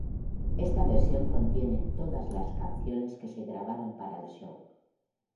Esta versión contiene todas las canciones que se grabaron para el show.